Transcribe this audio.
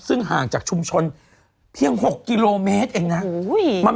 ซึ่งห่างจากชุมชนเพียง๖กิโลเมตรเองนะ